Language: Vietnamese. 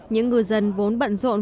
những người dân vốn bận rộn